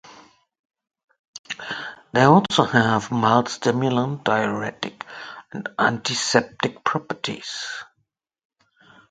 They also have mild stimulant, diuretic, and antiseptic properties.